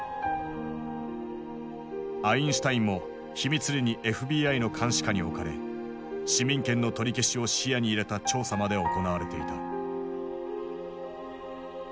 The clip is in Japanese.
アインシュタインも秘密裏にＦＢＩの監視下に置かれ市民権の取り消しを視野に入れた調査まで行われていた。